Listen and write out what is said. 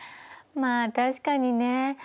まあ確かにね